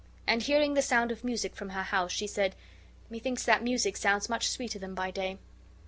And hearing the sound of music from her house, she said, "Methinks that music sounds much sweeter than by day."